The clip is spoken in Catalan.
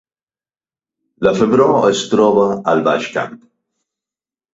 La Febró es troba al Baix Camp